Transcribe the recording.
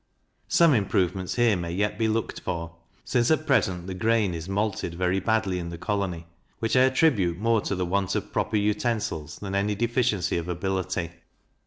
Some improvements here may yet be looked for, since at present the grain is malted very badly in the colony, which I attribute more to the want of proper utensils than any deficiency of ability.